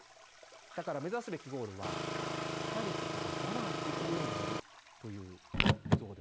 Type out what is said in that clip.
だから目指すべきゴールは「叱ることが我慢できるようになる」という像ではないんです。